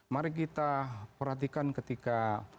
mari kita perhatikan ketika